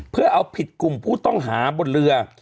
เพื่อเอาผิดกลุ่มผู้ต้องหาบนเรือ